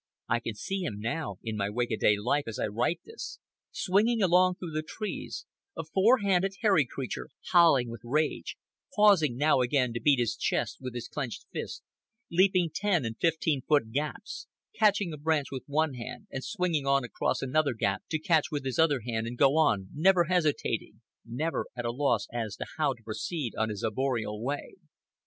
I can see him now, in my wake a day life, as I write this, swinging along through the trees, a four handed, hairy creature, howling with rage, pausing now and again to beat his chest with his clenched fist, leaping ten and fifteen foot gaps, catching a branch with one hand and swinging on across another gap to catch with his other hand and go on, never hesitating, never at a loss as to how to proceed on his arboreal way.